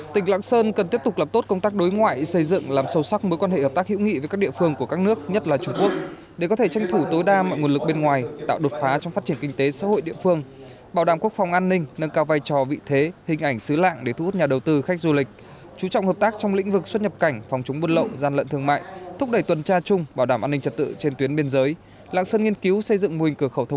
tỉnh lạng sơn cần tiếp tục làm tốt công tác đối ngoại xây dựng làm sâu sắc mối quan hệ hợp tác hữu nghị với các địa phương của các nước nhất là chủ quốc để có thể tranh thủ tối đa mọi nguồn lực bên ngoài tạo đột phá trong phát triển kinh tế xã hội địa phương bảo đảm quốc phòng an ninh nâng cao vai trò vị thế hình ảnh xứ lạng để thu hút nhà đầu tư khách du lịch chú trọng hợp tác trong lĩnh vực xuất nhập cảnh phòng trúng buôn lộng gian lận thương mại thúc đẩy tuần tra chung bảo đảm an ninh